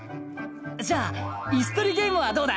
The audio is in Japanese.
じゃあイスとりゲームはどうだ？